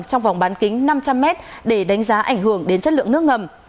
trong vòng bán kính năm trăm linh m để đánh giá ảnh hưởng đến chất lượng nước ngầm